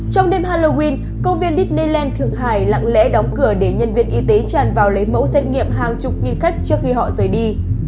trong đêm halloween công viên ditnyland thượng hải lặng lẽ đóng cửa để nhân viên y tế tràn vào lấy mẫu xét nghiệm hàng chục nghìn khách trước khi họ rời đi